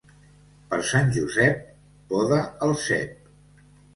Per Sant Josep poda el cep.